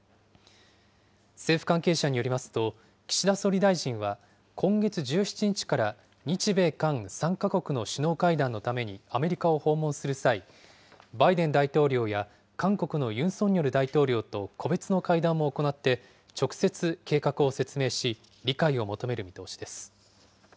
政府関係者によりますと、岸田総理大臣は今月１７日から日米韓３か国の首脳会談のためにアメリカを訪問する際、バイデン大統領や韓国のユン・ソンニョル大統領と個別の会談も行って、直接計画を説明し、理解を求める見通しです。